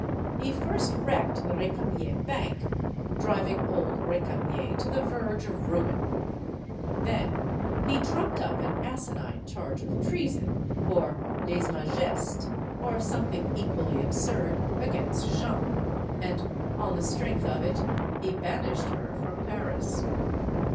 He first wrecked the Recamier bank, driving old Recamier to the verge of ruin. Then he trumped up an asinine charge of treason or les majeste or something equally absurd, against Jeanne. And on the strength of it, he banished her from Paris.